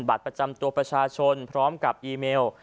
บัตรประจำตัวประชาชนพร้อมกับอีเมล